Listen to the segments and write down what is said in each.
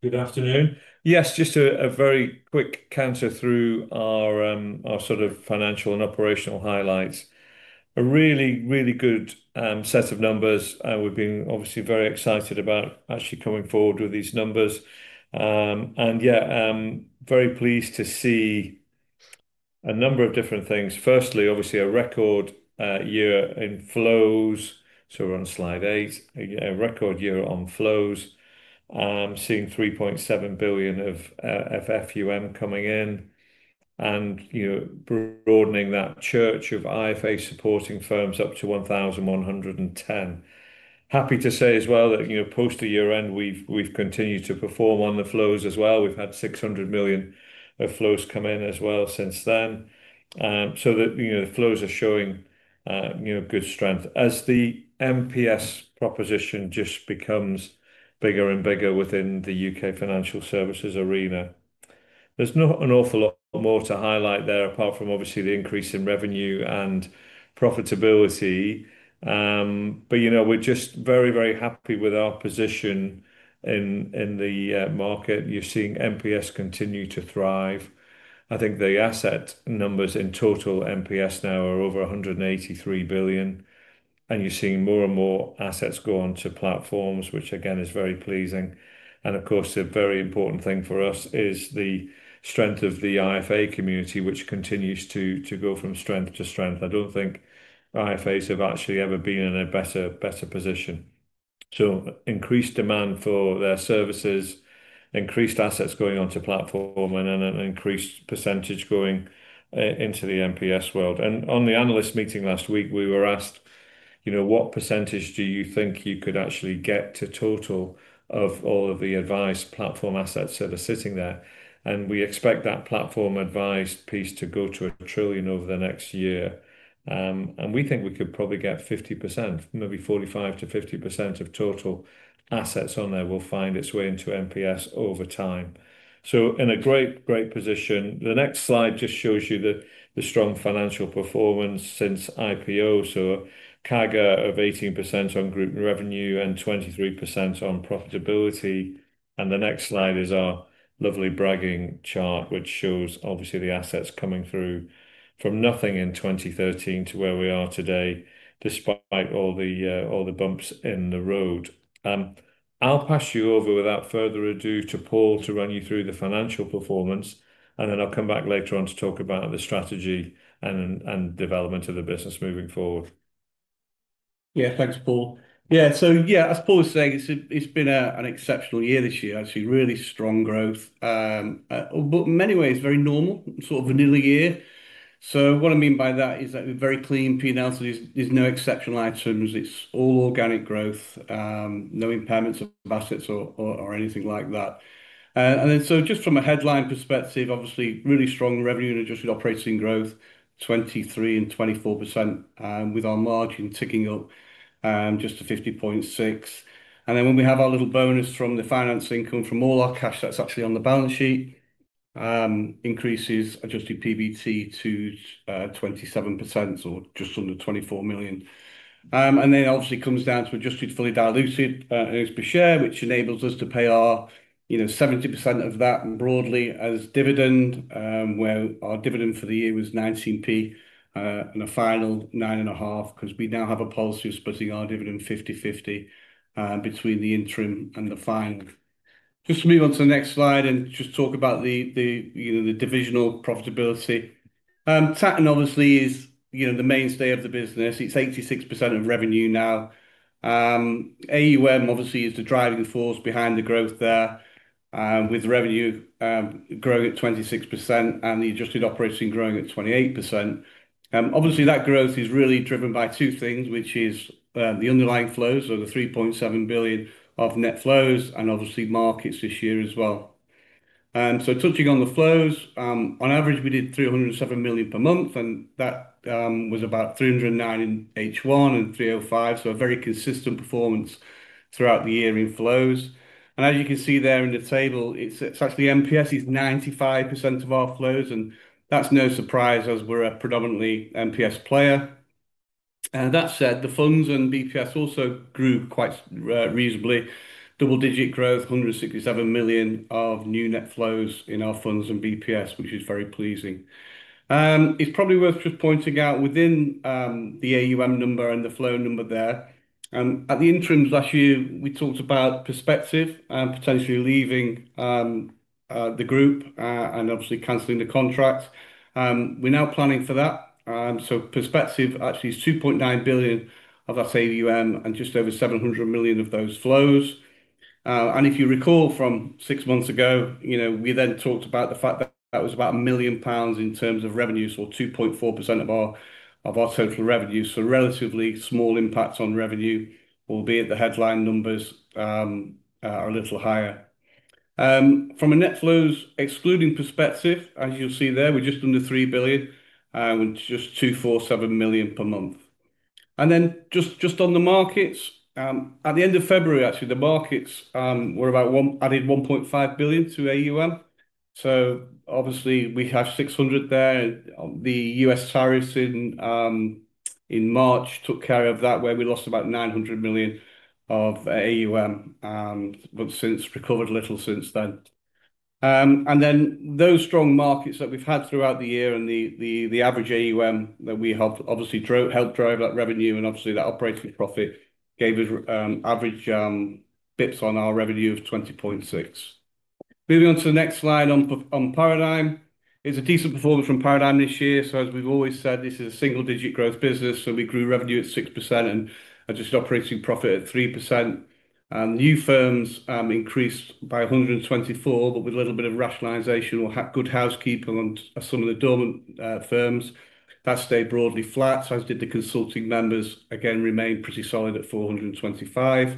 Good afternoon. Yes, just a very quick counter through our sort of financial and operational highlights. A really, really good set of numbers. We've been obviously very excited about actually coming forward with these numbers. Yeah, very pleased to see a number of different things. Firstly, obviously a record year in flows. We are on slide eight, a record year on flows, seeing 3.7 billion of FUM coming in and broadening that church of IFA supporting firms up to 1,110. Happy to say as well that post the year end, we've continued to perform on the flows as well. We've had 600 million of flows come in as well since then. The flows are showing good strength as the MPS proposition just becomes bigger and bigger within the U.K. financial services arena. There's not an awful lot more to highlight there apart from obviously the increase in revenue and profitability. We are just very, very happy with our position in the market. You are seeing MPS continue to thrive. I think the asset numbers in total MPS now are over 183 billion. You are seeing more and more assets go onto platforms, which again is very pleasing. Of course, a very important thing for us is the strength of the IFA community, which continues to go from strength to strength. I do not think IFAs have actually ever been in a better position. Increased demand for their services, increased assets going onto platform, and an increased percentage going into the MPS world. On the analyst meeting last week, we were asked, what percentage do you think you could actually get to total of all of the advised platform assets that are sitting there? We expect that platform advised piece to go to 1 trillion over the next year. We think we could probably get 50%, maybe 45%-50% of total assets on there will find its way into MPS over time. In a great, great position. The next slide just shows you the strong financial performance since IPO. A CAGR of 18% on group revenue and 23% on profitability. The next slide is our lovely bragging chart, which shows obviously the assets coming through from nothing in 2013 to where we are today, despite all the bumps in the road. I'll pass you over without further ado to Paul to run you through the financial performance. I will come back later on to talk about the strategy and development of the business moving forward. Yeah, thanks, Paul. Yeah, as Paul was saying, it's been an exceptional year this year, actually really strong growth. In many ways, very normal, sort of vanilla year. What I mean by that is that we are very clean P&L, so there's no exceptional items. It's all organic growth, no impairments of assets or anything like that. Just from a headline perspective, obviously really strong revenue and adjusted operating growth, 23% and 24%, with our margin ticking up just to 50.6%. When we have our little bonus from the finance income from all our cash that's actually on the balance sheet, it increases adjusted PBT to 27% or just under 24 million. Obviously, it comes down to adjusted fully diluted earnings per share, which enables us to pay out 70% of that broadly as dividend, where our dividend for the year was 0.19 and a final 0.095 because we now have a policy of splitting our dividend 50/50 between the interim and the final. Just to move on to the next slide and just talk about the divisional profitability. Tatton obviously is the mainstay of the business. It is 86% of revenue now. AUM obviously is the driving force behind the growth there, with revenue growing at 26% and the adjusted operating growing at 28%. Obviously, that growth is really driven by two things, which is the underlying flows, so the 3.7 billion of net flows and obviously markets this year as well. Touching on the flows, on average, we did 307 million per month, and that was about 309 million in H1 and 305 million, so a very consistent performance throughout the year in flows. As you can see there in the table, it's actually MPS is 95% of our flows, and that's no surprise as we're a predominantly MPS player. That said, the funds and BPS also grew quite reasonably, double-digit growth, 167 million of new net flows in our funds and BPS, which is very pleasing. It's probably worth just pointing out within the AUM number and the flow number there. At the interim last year, we talked about Perspective and potentially leaving the group and obviously canceling the contract. We're now planning for that. Perspective actually is 2.9 billion of that AUM and just over 700 million of those flows. If you recall from six months ago, we then talked about the fact that that was about 1 million pounds in terms of revenue, so 2.4% of our total revenue. Relatively small impacts on revenue, albeit the headline numbers are a little higher. From a net flows excluding Perspective, as you'll see there, we're just under 3 billion, which is just 247 million per month. Just on the markets, at the end of February, actually, the markets were about added 1.5 billion to AUM. Obviously, we have 600 million there. The US tariffs in March took care of that, where we lost about 900 million of AUM, but since recovered a little since then. Those strong markets that we've had throughout the year and the average AUM that we have obviously helped drive that revenue. Obviously, that operating profit gave us average basis points on our revenue of 20.6. Moving on to the next slide on Paradigm. It is a decent performance from Paradigm this year. As we have always said, this is a single-digit growth business. We grew revenue at 6% and adjusted operating profit at 3%. New firms increased by 124, but with a little bit of rationalization or good housekeeping on some of the dormant firms. That stayed broadly flat, as did the consulting members, again, remained pretty solid at 425.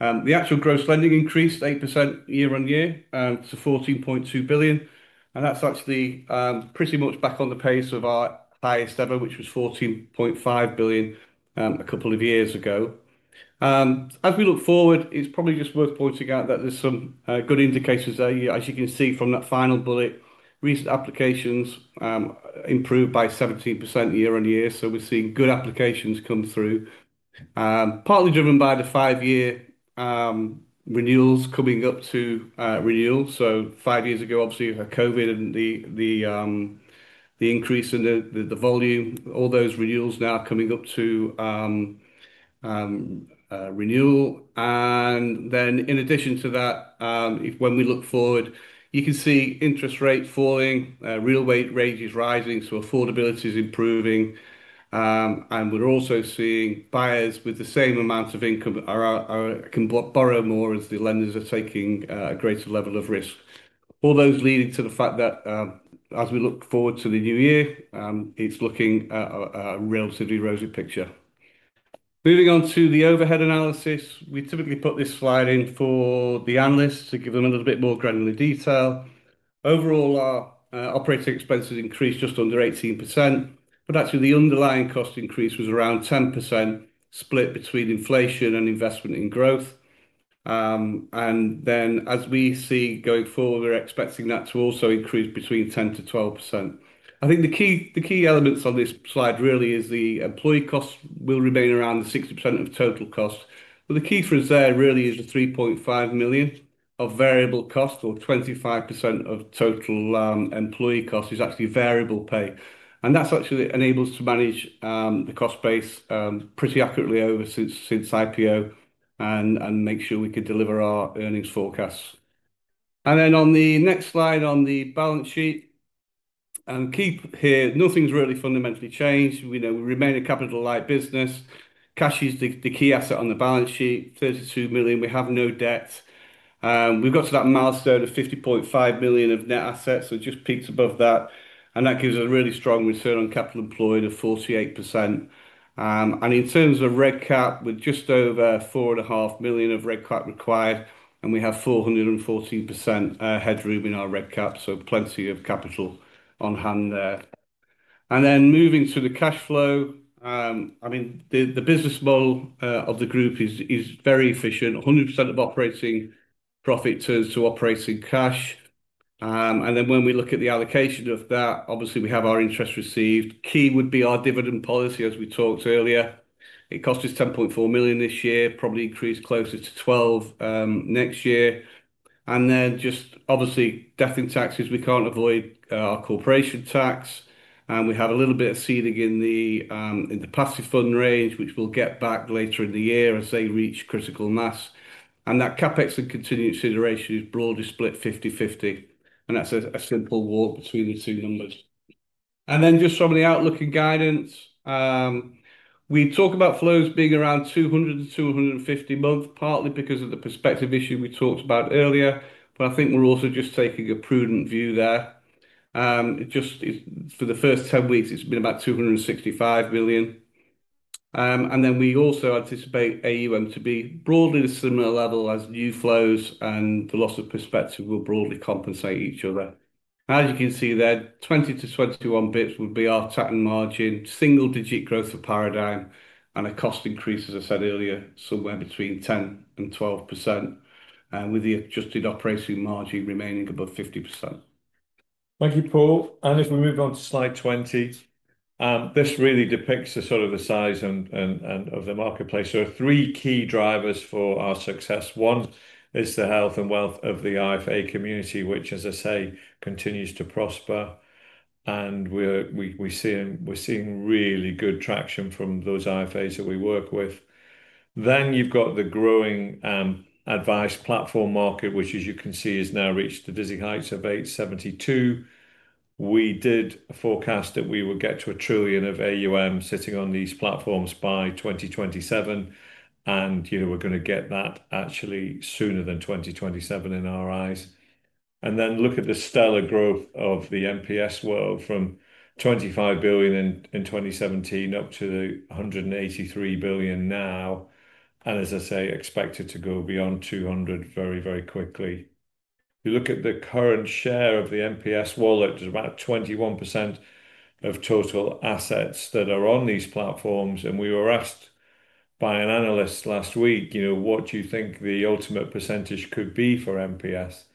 The actual gross lending increased 8% year on year to 14.2 billion. That is actually pretty much back on the pace of our highest ever, which was 14.5 billion a couple of years ago. As we look forward, it is probably just worth pointing out that there are some good indicators there. As you can see from that final bullet, recent applications improved by 17% year on year. We are seeing good applications come through, partly driven by the five-year renewals coming up to renewal. Five years ago, obviously, COVID and the increase in the volume, all those renewals now coming up to renewal. In addition to that, when we look forward, you can see interest rates falling, real rates rising, so affordability is improving. We are also seeing buyers with the same amount of income can borrow more as the lenders are taking a greater level of risk. All those leading to the fact that as we look forward to the new year, it is looking at a relatively rosy picture. Moving on to the overhead analysis, we typically put this slide in for the analysts to give them a little bit more granular detail. Overall, our operating expenses increased just under 18%, but actually the underlying cost increase was around 10% split between inflation and investment in growth. As we see going forward, we're expecting that to also increase between 10%-12%. I think the key elements on this slide really is the employee costs will remain around 60% of total costs. The key for us there really is the 3.5 million of variable cost or 25% of total employee cost is actually variable pay. That actually enables us to manage the cost base pretty accurately over since IPO and make sure we can deliver our earnings forecasts. On the next slide on the balance sheet, nothing's really fundamentally changed. We remain a capital-light business. Cash is the key asset on the balance sheet, 32 million. We have no debt. We've got to that milestone of 50.5 million of net assets, so just peaks above that. That gives us a really strong return on capital employed of 48%. In terms of reg cap, we're just over 4.5 million of reg cap required, and we have 414% headroom in our reg cap, so plenty of capital on hand there. Moving to the cash flow, I mean, the business model of the group is very efficient. 100% of operating profit turns to operating cash. When we look at the allocation of that, obviously, we have our interest received. Key would be our dividend policy, as we talked earlier. It cost us 10.4 million this year, probably increased closer to 12 million next year. Just obviously, death and taxes, we can't avoid our corporation tax. We have a little bit of seeding in the passive fund range, which we'll get back later in the year as they reach critical mass. That CapEx and continued consideration is broadly split 50/50. That is a simple warp between the two numbers. Just from the outlook and guidance, we talk about flows being around 200 million-250 million a month, partly because of the Perspective issue we talked about earlier, but I think we're also just taking a prudent view there. For the first 10 weeks, it's been about 265 million. We also anticipate AUM to be broadly the similar level as new flows, and the loss of Perspective will broadly compensate each other. As you can see there, 20-21 basis points would be our Tatton margin, single-digit growth of Paradigm, and a cost increase, as I said earlier, somewhere between 10% and 12%, with the adjusted operating margin remaining above 50%. Thank you, Paul. If we move on to slide 20, this really depicts the sort of the size of the marketplace. There are three key drivers for our success. One is the health and wealth of the IFA community, which, as I say, continues to prosper. We are seeing really good traction from those IFAs that we work with. You have the growing advice platform market, which, as you can see, has now reached the dizzy heights of 872 billion. We did forecast that we would get to a trillion of AUM sitting on these platforms by 2027. We're going to get that actually sooner than 2027 in our eyes. Look at the stellar growth of the MPS world from 25 billion in 2017 up to 183 billion now. As I say, expected to go beyond 200 billion very, very quickly. You look at the current share of the MPS wallet, there's about 21% of total assets that are on these platforms. We were asked by an analyst last week, what do you think the ultimate percentage could be for MPS?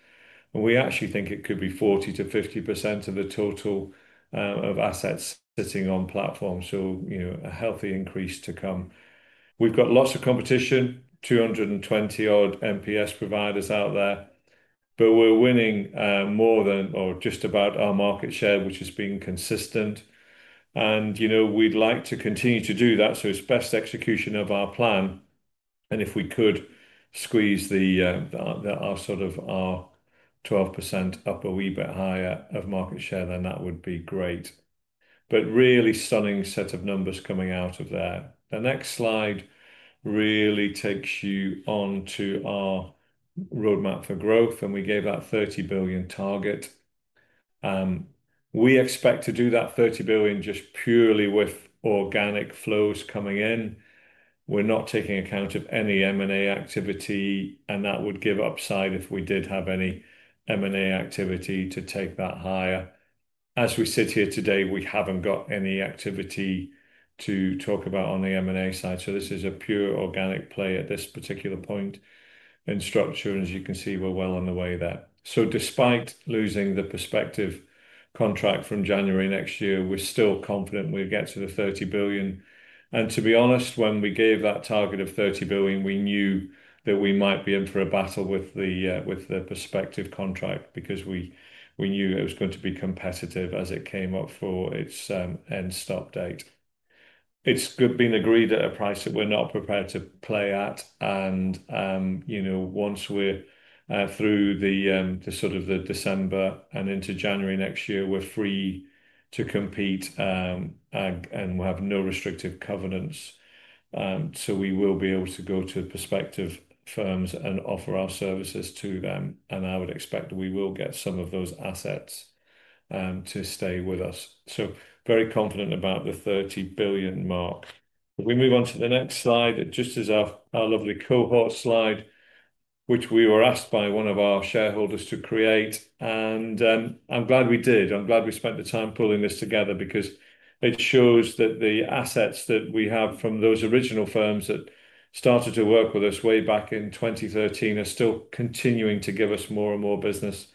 We actually think it could be 40%-50% of the total of assets sitting on platforms. A healthy increase to come. We've got lots of competition, 220-odd MPS providers out there. We're winning more than or just about our market share, which has been consistent. We'd like to continue to do that. It's best execution of our plan. If we could squeeze our sort of our 12% up a wee bit higher of market share, that would be great. Really stunning set of numbers coming out of there. The next slide really takes you on to our roadmap for growth. We gave that 30 billion target. We expect to do that 30 billion just purely with organic flows coming in. We're not taking account of any M&A activity. That would give upside if we did have any M&A activity to take that higher. As we sit here today, we haven't got any activity to talk about on the M&A side. This is a pure organic play at this particular point in structure. As you can see, we're well on the way there. Despite losing the Perspective contract from January next year, we're still confident we'll get to the 30 billion. To be honest, when we gave that target of 30 billion, we knew that we might be in for a battle with the Perspective contract because we knew it was going to be competitive as it came up for its end stop date. It has been agreed at a price that we're not prepared to play at. Once we're through December and into January next year, we're free to compete. We'll have no restrictive covenants, so we will be able to go to Perspective firms and offer our services to them. I would expect we will get some of those assets to stay with us. Very confident about the 30 billion mark. We move on to the next slide, just as our lovely cohort slide, which we were asked by one of our shareholders to create. I am glad we did. I am glad we spent the time pulling this together because it shows that the assets that we have from those original firms that started to work with us way back in 2013 are still continuing to give us more and more business.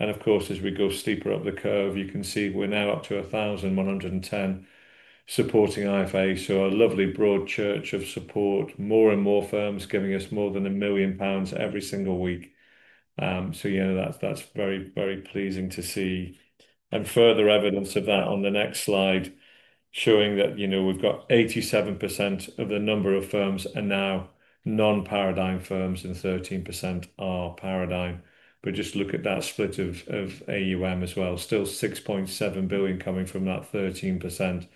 Of course, as we go steeper up the curve, you can see we are now up to 1,110 supporting IFAs. A lovely broad church of support, more and more firms giving us more than 1 million pounds every single week. That is very, very pleasing to see. Further evidence of that on the next slide, showing that we have 87% of the number of firms are now non-Paradigm firms and 13% are Paradigm. Just look at that split of AUM as well. Still 6.7 billion coming from that 13%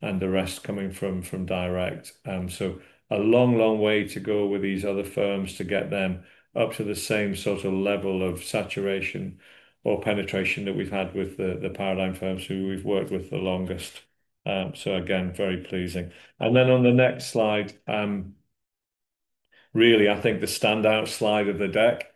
and the rest coming from direct. A long, long way to go with these other firms to get them up to the same sort of level of saturation or penetration that we have had with the Paradigm firms who we have worked with the longest. Again, very pleasing. On the next slide, really, I think the standout slide of the deck,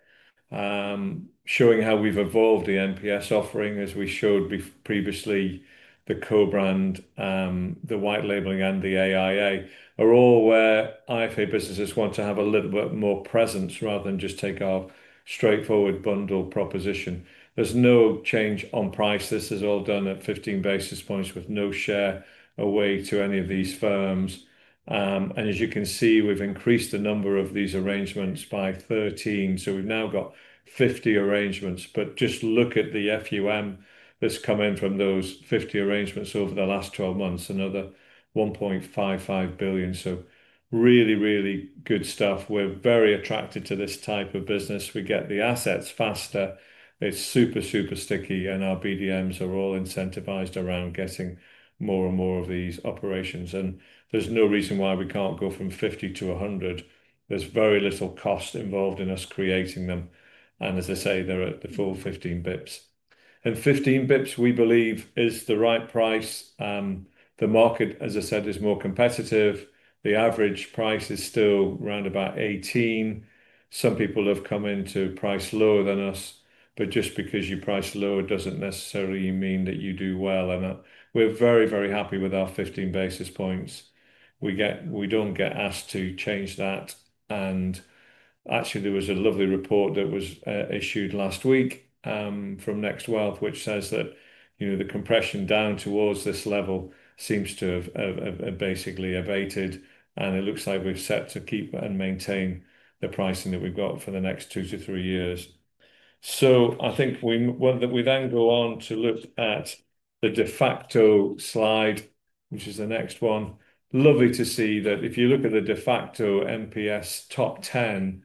showing how we have evolved the MPS offering, as we showed previously, the co-brand, the white labeling, and the AIA are all where IFA businesses want to have a little bit more presence rather than just take our straightforward bundle proposition. There is no change on price. This is all done at 15 basis points with no share away to any of these firms. As you can see, we have increased the number of these arrangements by 13. We have now got 50 arrangements. Just look at the FUM that has come in from those 50 arrangements over the last 12 months, another 1.55 billion. Really, really good stuff. We are very attracted to this type of business. We get the assets faster. It is super, super sticky. Our BDMs are all incentivized around getting more and more of these operations. There is no reason why we cannot go from 50 to 100. There is very little cost involved in us creating them. As I say, they are at the full 15 basis points. Fifteen basis points, we believe, is the right price. The market, as I said, is more competitive. The average price is still around 18. Some people have come in to price lower than us. Just because you price lower does not necessarily mean that you do well. We are very, very happy with our 15 basis points. We do not get asked to change that. Actually, there was a lovely report that was issued last week from NextWealth, which says that the compression down towards this level seems to have basically abated. It looks like we are set to keep and maintain the pricing that we have got for the next two to three years. I think we then go on to look at the Defaqto slide, which is the next one. Lovely to see that if you look at the Defaqto MPS top 10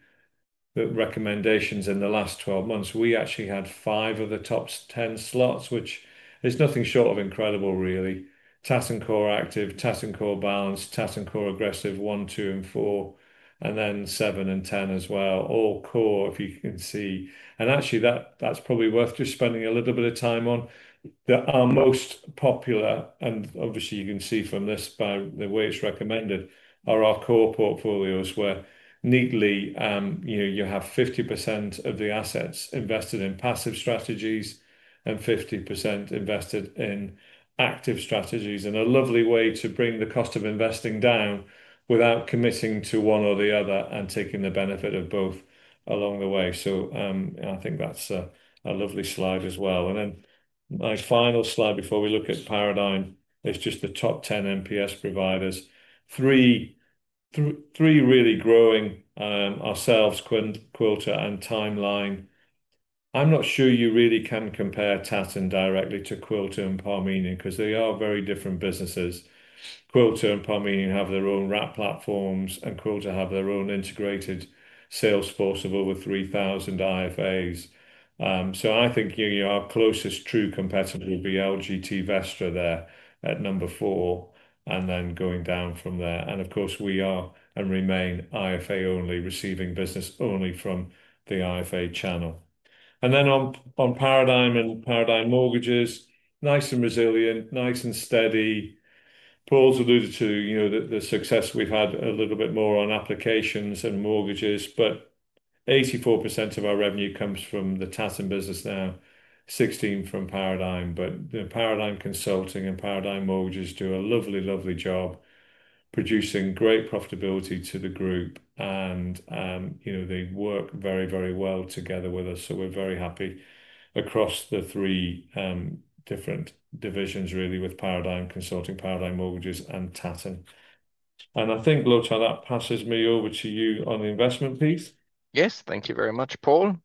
recommendations in the last 12 months, we actually had five of the top 10 slots, which is nothing short of incredible, really. Tatton Core Active, Tatton Core Balanced, Tatton Core Aggressive, one, two, and four, and then seven and ten as well. All core, if you can see. Actually, that's probably worth just spending a little bit of time on. Our most popular, and obviously, you can see from this by the way it's recommended, are our core portfolios, where neatly you have 50% of the assets invested in passive strategies and 50% invested in active strategies. A lovely way to bring the cost of investing down without committing to one or the other and taking the benefit of both along the way. I think that's a lovely slide as well. My final slide before we look at Paradigm, it's just the top 10 MPS providers. Three really growing ourselves, Quilter and Timeline. I'm not sure you really can compare Tatton directly to Quilter and Parmenion because they are very different businesses. Quilter and Parmenion have their own RAP platforms, and Quilter have their own integrated sales force of over 3,000 IFAs. I think our closest true competitor would be LGT Vestra there at number four, and then going down from there. Of course, we are and remain IFA only, receiving business only from the IFA channel. On Paradigm and Paradigm Mortgages, nice and resilient, nice and steady. Paul's alluded to the success we've had a little bit more on applications and mortgages, but 84% of our revenue comes from the Tatton business now, 16% from Paradigm. Paradigm Consulting and Paradigm Mortgages do a lovely, lovely job producing great profitability to the group. They work very, very well together with us. We're very happy across the three different divisions, really, with Paradigm Consulting, Paradigm Mortgages, and Tatton. I think, Lothar, that passes me over to you on the investment piece. Yes, thank you very much, Paul.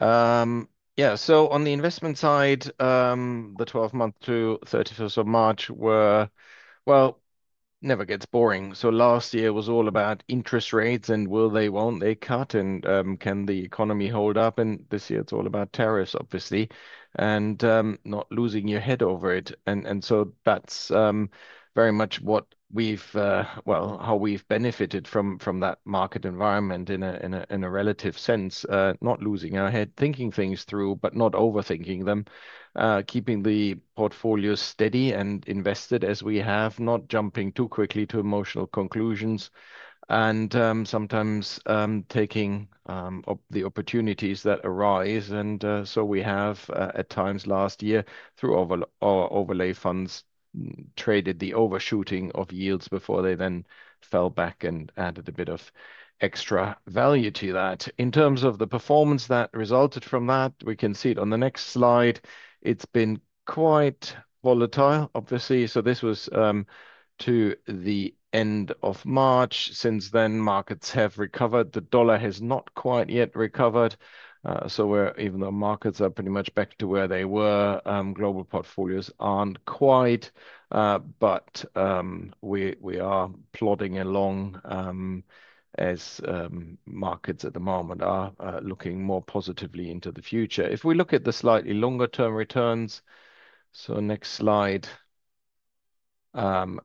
Yeah, on the investment side, the 12 months to 31st of March were, well, never gets boring. Last year was all about interest rates and will they, will not they cut, and can the economy hold up? This year it's all about tariffs, obviously, and not losing your head over it. That's very much what we've, well, how we've benefited from that market environment in a relative sense. Not losing our head, thinking things through, but not overthinking them, keeping the portfolios steady and invested as we have, not jumping too quickly to emotional conclusions, and sometimes taking the opportunities that arise. We have at times last year through overlay funds traded the overshooting of yields before they then fell back and added a bit of extra value to that. In terms of the performance that resulted from that, we can see it on the next slide. It has been quite volatile, obviously. This was to the end of March. Since then, markets have recovered. The dollar has not quite yet recovered. Even though markets are pretty much back to where they were, global portfolios are not quite. We are plodding along as markets at the moment are looking more positively into the future. If we look at the slightly longer-term returns, next slide,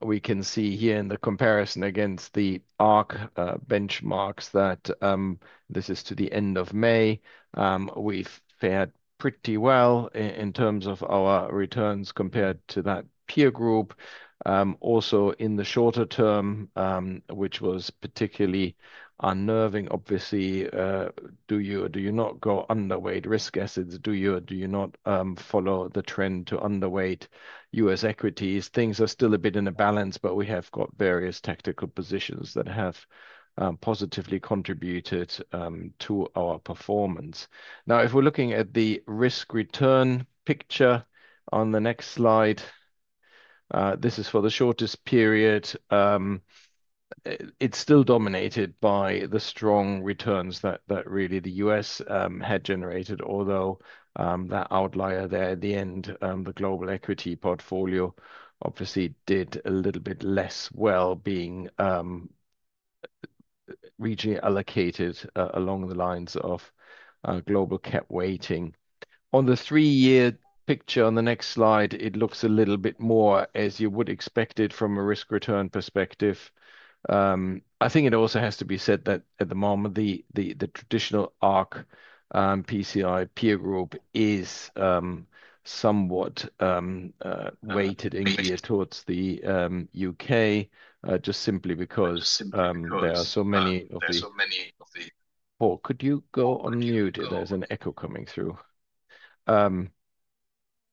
we can see here in the comparison against the ARC benchmarks that this is to the end of May, we have fared pretty well in terms of our returns compared to that peer group. Also in the shorter term, which was particularly unnerving, obviously, do you or do you not go underweight risk assets? Do you or do you not follow the trend to underweight U.S. equities? Things are still a bit in a balance, but we have got various tactical positions that have positively contributed to our performance. Now, if we're looking at the risk-return picture on the next slide, this is for the shortest period. It's still dominated by the strong returns that really the US had generated, although that outlier there at the end, the global equity portfolio, obviously did a little bit less well being regionally allocated along the lines of global cap weighting. On the three-year picture on the next slide, it looks a little bit more as you would expect it from a risk-return perspective. I think it also has to be said that at the moment, the traditional ARC PCI peer group is somewhat weighted in gear towards the U.K., just simply because there are so many of the Paul, could you go on mute? There's an echo coming through.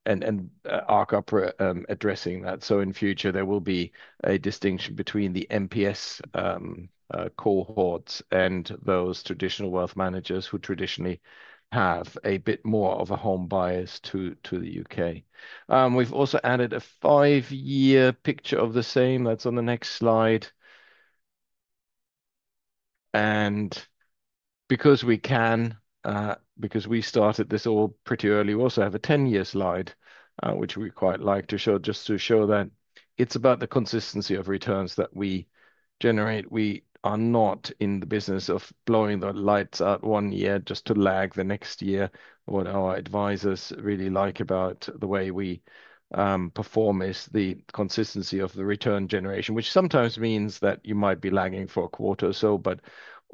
And ARC are addressing that. In future, there will be a distinction between the MPS cohorts and those traditional wealth managers who traditionally have a bit more of a home bias to the U.K. We've also added a five-year picture of the same. That's on the next slide. Because we can, because we started this all pretty early, we also have a 10-year slide, which we quite like to show just to show that it's about the consistency of returns that we generate. We are not in the business of blowing the lights out one year just to lag the next year. What our advisors really like about the way we perform is the consistency of the return generation, which sometimes means that you might be lagging for a quarter or so.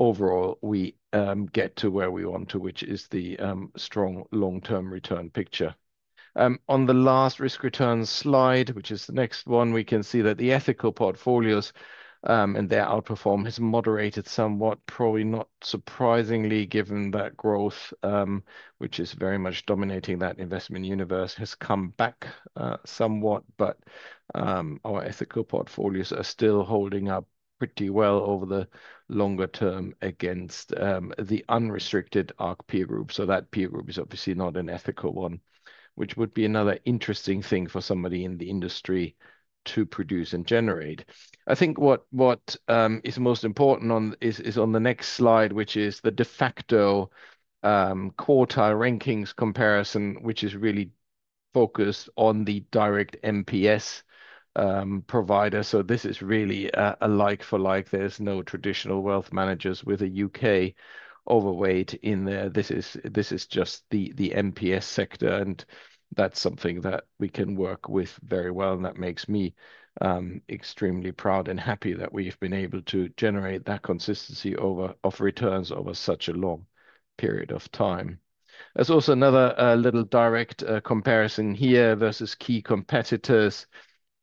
Overall, we get to where we want to, which is the strong long-term return picture. On the last risk-return slide, which is the next one, we can see that the ethical portfolios and their outperformance has moderated somewhat, probably not surprisingly, given that growth, which is very much dominating that investment universe, has come back somewhat. Our ethical portfolios are still holding up pretty well over the longer term against the unrestricted ARC peer group. That peer group is obviously not an ethical one, which would be another interesting thing for somebody in the industry to produce and generate. I think what is most important is on the next slide, which is the Defaqto quartile rankings comparison, which is really focused on the direct MPS provider. This is really a like-for-like. There are no traditional wealth managers with a U.K. overweight in there. This is just the MPS sector. That is something that we can work with very well. That makes me extremely proud and happy that we have been able to generate that consistency of returns over such a long period of time. There is also another little direct comparison here versus key competitors.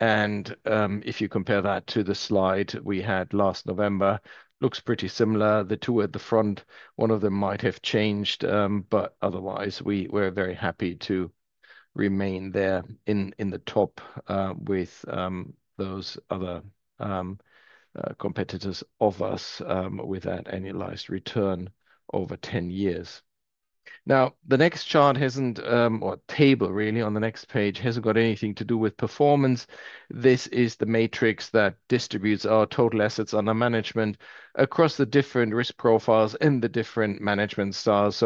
If you compare that to the slide we had last November, it looks pretty similar. The two at the front, one of them might have changed, but otherwise, we were very happy to remain there in the top with those other competitors of ours with that annualized return over 10 years. Now, the next chart has not, or table really on the next page, has not got anything to do with performance. This is the matrix that distributes our total assets under management across the different risk profiles and the different management styles.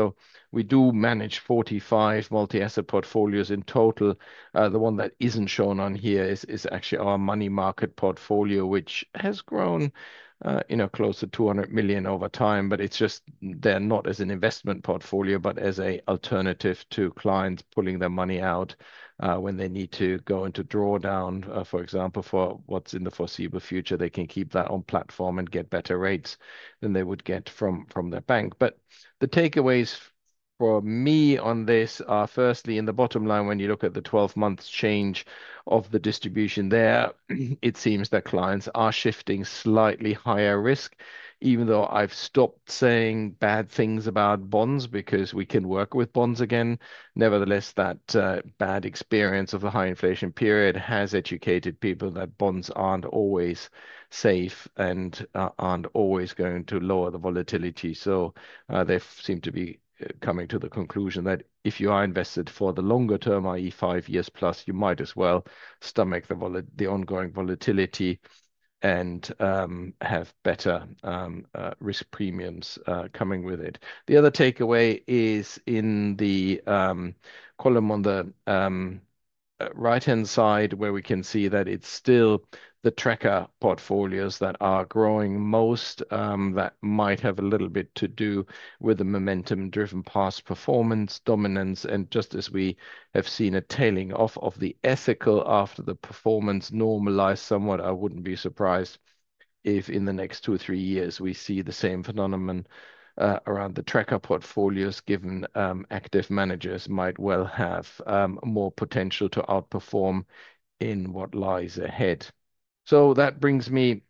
We do manage 45 multi-asset portfolios in total. The one that is not shown on here is actually our money market portfolio, which has grown in at close to 200 million over time. It is just there not as an investment portfolio, but as an alternative to clients pulling their money out when they need to go into drawdown, for example, for what is in the foreseeable future, they can keep that on platform and get better rates than they would get from their bank. The takeaways for me on this are firstly, in the bottom line, when you look at the 12-month change of the distribution there, it seems that clients are shifting slightly higher risk, even though I've stopped saying bad things about bonds because we can work with bonds again. Nevertheless, that bad experience of a high inflation period has educated people that bonds aren't always safe and aren't always going to lower the volatility. They seem to be coming to the conclusion that if you are invested for the longer term, i.e., 5+ years, you might as well stomach the ongoing volatility and have better risk premiums coming with it. The other takeaway is in the column on the right-hand side where we can see that it's still the tracker portfolios that are growing most. That might have a little bit to do with the momentum-driven past performance dominance. Just as we have seen a tailing off of the ethical after the performance normalized somewhat, I wouldn't be surprised if in the next two or three years we see the same phenomenon around the tracker portfolios, given active managers might well have more potential to outperform in what lies ahead. That brings me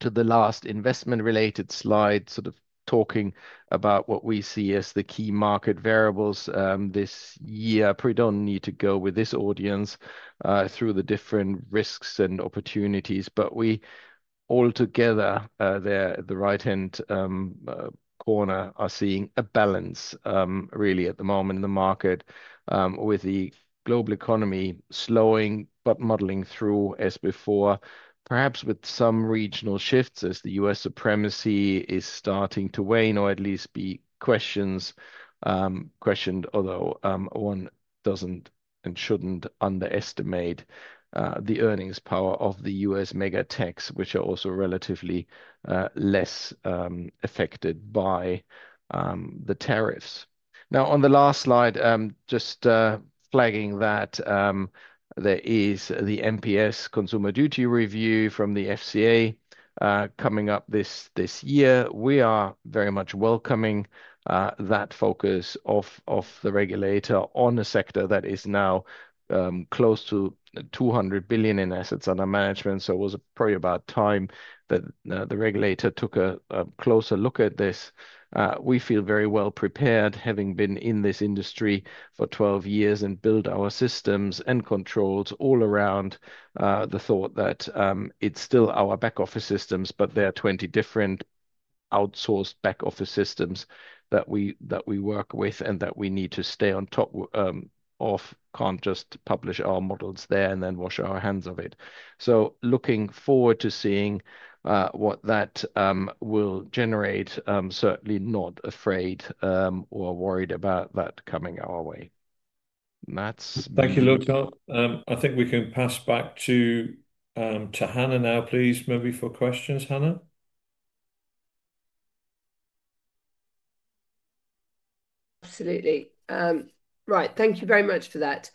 to the last investment-related slide, sort of talking about what we see as the key market variables this year. I probably don't need to go with this audience through the different risks and opportunities, but we altogether there at the right-hand corner are seeing a balance really at the moment in the market with the global economy slowing but muddling through as before, perhaps with some regional shifts as the U.S. supremacy is starting to wane, or at least be questioned, although one doesn't and shouldn't underestimate the earnings power of the U.S. mega techs, which are also relatively less affected by the tariffs. Now, on the last slide, just flagging that there is the MPS consumer duty review from the FCA coming up this year. We are very much welcoming that focus of the regulator on a sector that is now close to 200 billion in assets under management. So it was probably about time that the regulator took a closer look at this. We feel very well prepared, having been in this industry for 12 years and built our systems and controls all around the thought that it's still our back-office systems, but there are 20 different outsourced back-office systems that we work with and that we need to stay on top of, can't just publish our models there and then wash our hands of it. Looking forward to seeing what that will generate, certainly not afraid or worried about that coming our way. That's my takeaway. Thank you, Lothar. I think we can pass back to Hannah now, please, maybe for questions, Hannah. Absolutely. Right. Thank you very much for that.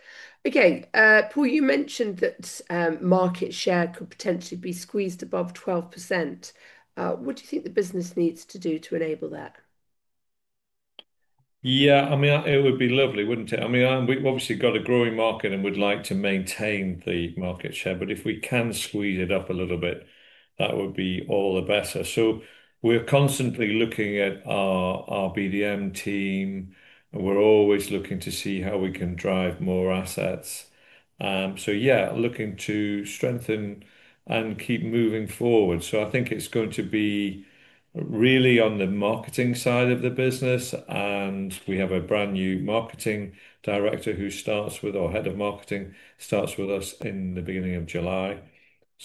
Okay. Paul, you mentioned that market share could potentially be squeezed above 12%. What do you think the business needs to do to enable that? Yeah, I mean, it would be lovely, wouldn't it? I mean, we've obviously got a growing market and would like to maintain the market share. If we can squeeze it up a little bit, that would be all the better. We're constantly looking at our BDM team. We're always looking to see how we can drive more assets. Yeah, looking to strengthen and keep moving forward. I think it's going to be really on the marketing side of the business. We `x`have a brand new marketing director who starts with our head of marketing, starts with us in the beginning of July.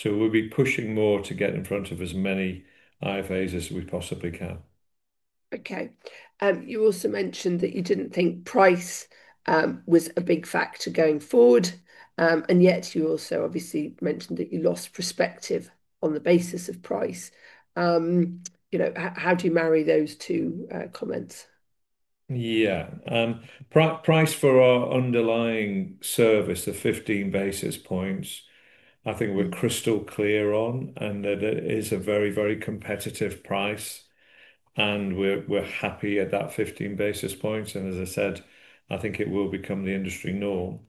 We'll be pushing more to get in front of as many IFAs as we possibly can. Okay. You also mentioned that you didn't think price was a big factor going forward. Yet, you also obviously mentioned that you lost Perspective on the basis of price. How do you marry those two comments? Yeah. Price for our underlying service of 15 basis points, I think we're crystal clear on. That is a very, very competitive price. We're happy at that 15 basis points. As I said, I think it will become the industry norm.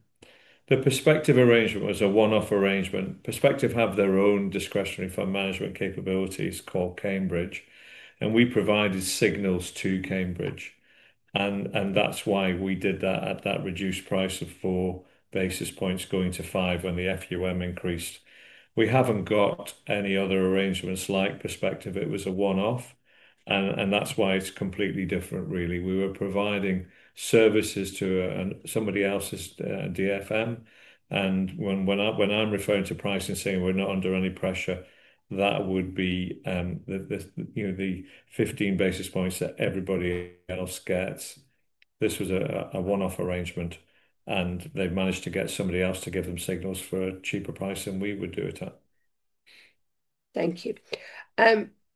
The Perspective arrangement was a one-off arrangement. Perspective have their own discretionary fund management capabilities called Cambridge. We provided signals to Cambridge. That is why we did that at that reduced price of four basis points going to five when the FUM increased. We have not got any other arrangements like Perspective. It was a one-off. That is why it is completely different, really. We were providing services to somebody else's DFM. When I am referring to price and saying we're not under any pressure, that would be the 15 basis points that everybody else gets. This was a one-off arrangement. They have managed to get somebody else to give them signals for a cheaper price, and we would do it. Thank you.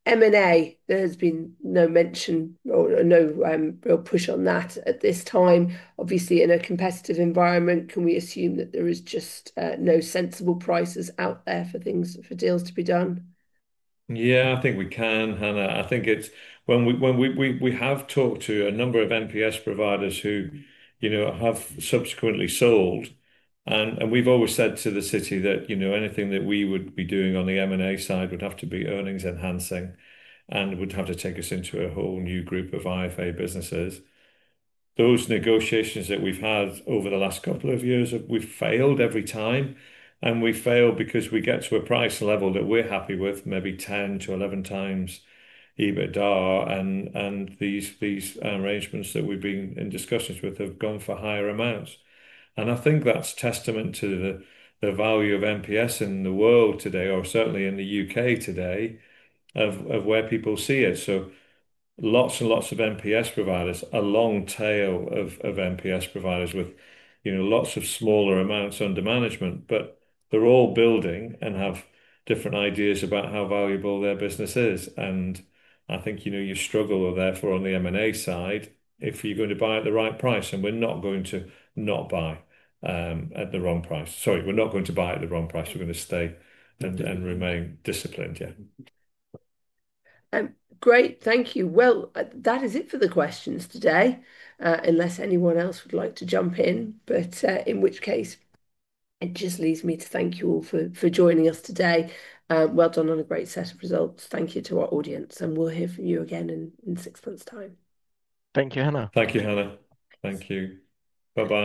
M&A, there has been no mention or no real push on that at this time. Obviously, in a competitive environment, can we assume that there is just no sensible prices out there for things, for deals to be done? Yeah, I think we can, Hannah. I think it is when we have talked to a number of MPS providers who have subsequently sold. We have always said to the city that anything that we would be doing on the M&A side would have to be earnings enhancing and would have to take us into a whole new group of IFA businesses. Those negotiations that we have had over the last couple of years, we have failed every time. We fail because we get to a price level that we're happy with, maybe 10x-11x EBITDA. These arrangements that we've been in discussions with have gone for higher amounts. I think that's testament to the value of MPS in the world today, or certainly in the U.K. today, of where people see it. Lots and lots of MPS providers, a long tail of MPS providers with lots of smaller amounts under management, but they're all building and have different ideas about how valuable their business is. I think you struggle therefore on the M&A side if you're going to buy at the right price, and we're not going to buy at the wrong price. Sorry, we're not going to buy at the wrong price. We're going to stay and remain disciplined. Yeah. Great. Thank you. That is it for the questions today, unless anyone else would like to jump in. In which case, it just leads me to thank you all for joining us today. Well done on a great set of results. Thank you to our audience. We will hear from you again in six months' time. Thank you, Hannah. Thank you, Hannah. Thank you. Bye-bye.